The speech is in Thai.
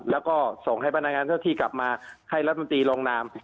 แล้วก็ส่งให้พนักงานเจ้าที่กลับมาให้รัฐมนตรีลงนาม